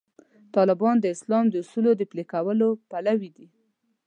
طالبان د اسلام د اصولو د پلي کولو پلوي دي.